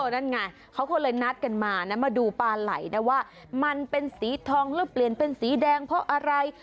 นั่นไงเขาก็เลยนัดกันมานะมาดูปลาไหล่นะว่ามันเป็นสีทองหรือเปลี่ยนเป็นสีแดงเพราะอะไร